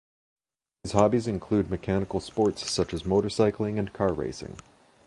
His hobbies include mechanical sports, such as motorcycling and car racing.